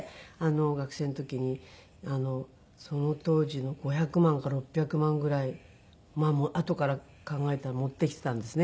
学生の時にその当時の５００万か６００万ぐらいあとから考えたら持ってきていたんですね。